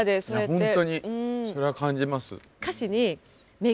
本当にそれは感じます。